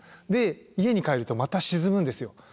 で家に帰るとまた沈むんですよ。